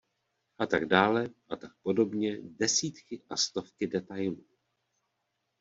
A tak dále, a tak podobně, desítky a stovky detailů...